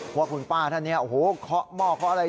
ว่าคุณป้าท่านนี้โอ้โหเคาะหม้อเคาะอะไร